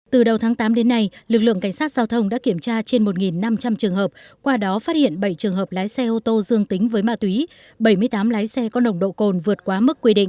từ đầu tháng tám đến nay lực lượng cảnh sát giao thông đã kiểm tra trên một năm trăm linh trường hợp qua đó phát hiện bảy trường hợp lái xe ô tô dương tính với ma túy bảy mươi tám lái xe có nồng độ cồn vượt quá mức quy định